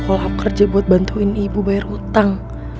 kalau aku kerja untuk membantu ibu membayar hutang